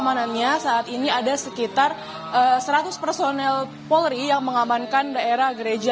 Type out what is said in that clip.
mersi dan juga saudara